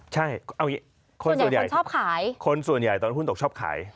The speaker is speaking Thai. ใช่เอาอย่างนี้คนส่วนใหญ่ชอบขายคนส่วนใหญ่ตอนหุ้นตกชอบขาย